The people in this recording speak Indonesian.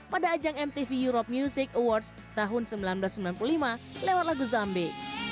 pada ajang mtv europe music awards tahun seribu sembilan ratus sembilan puluh lima lewat lagu zumbi